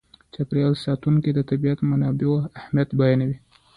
چاپېر یال ساتونکي د طبیعي منابعو اهمیت بیانوي.